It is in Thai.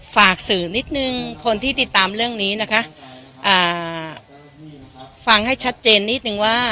ฝากสื่อนิดนึงคนที่ติดตามเรื่องนี้นะคะฟังให้ชัดเจนนิดนึงว่า